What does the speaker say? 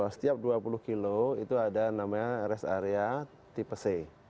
setiap dua puluh kilo itu ada namanya rest area tipe c